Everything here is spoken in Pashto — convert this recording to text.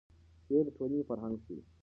شعر د ټولنې فرهنګ ښیي.